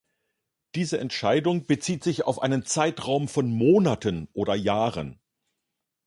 Diese Entscheidung bezieht sich auf einen Zeitraum von Monaten oder Jahren.